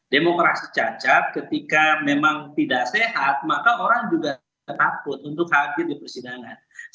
demokrasi cacat ketika memang tidak sehat maka orang juga takut untuk hadir di persidangan